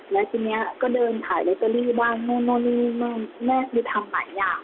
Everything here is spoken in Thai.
และทีนี้ก็เดินถ่ายหลิตเตอรี่บ้างนู่นแม่คือทำหลายอย่าง